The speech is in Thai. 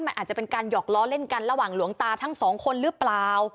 มันอาจจะเป็นการหยอกล้อเล่นกันระหว่างหลวงตาทั้งสองคนหรือเปล่า